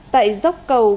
tại dốc cầu